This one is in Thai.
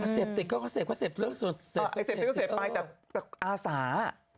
เสพติ๊กก็เสพแต่อาสา